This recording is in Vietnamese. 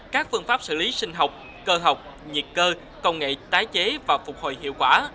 các phương pháp xử lý sinh học cơ học nhiệt cơ công nghệ tái chế và phục hồi hiệu quả